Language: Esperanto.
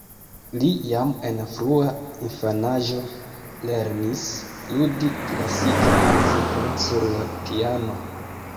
Li jam en frua infanaĝo lernis ludi klasikan muzikon sur la piano.